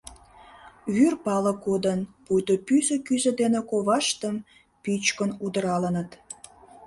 Вӱр пале кодын, пуйто пӱсӧ кӱзӧ дене коваштым пӱчкын удыралыныт.